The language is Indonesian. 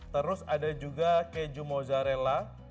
terus ada juga keju mozzarella